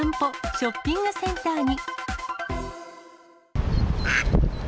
ショッピングセンターに。